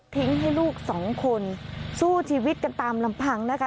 ให้ลูกสองคนสู้ชีวิตกันตามลำพังนะคะ